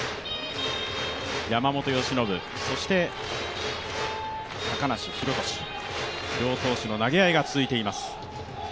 山本由伸、そして高梨裕稔、両投手の投げ合いが続いています。